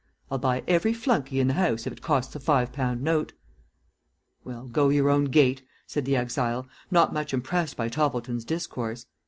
I'll buy every flunkey in the house, if it costs a five pound note." "Well, go your own gait," said the exile, not much impressed by Toppleton's discourse.